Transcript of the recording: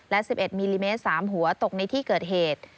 และ๑๑มิลลิเมตร๓หัวตกในที่เกิดเหตุ